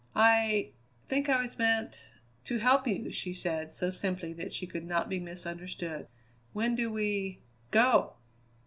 "I think I was meant to help you," she said so simply that she could not be misunderstood. "When do we go?"